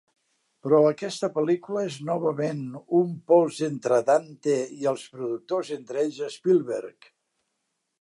Però aquesta pel·lícula és novament un pols entre Dante i els productors, entre ells Spielberg.